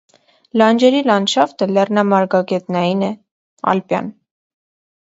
Լանջերի լանդշաֆտը լեռնամարգագետնային է (ալպյան)։